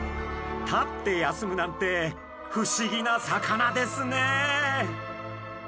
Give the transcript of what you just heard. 立って休むなんて不思議な魚ですね。